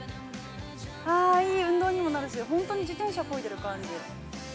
ああ、いい運動にもなるし本当に自転車こいでる感じ。